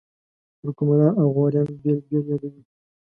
ترکمنان او غوریان بېل بېل یادوي.